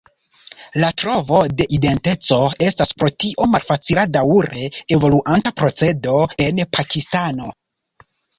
La trovo de identeco estas pro tio malfacila daŭre evoluanta procedo en Pakistano.